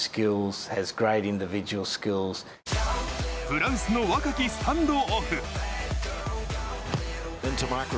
フランスの若きスタンドオフ。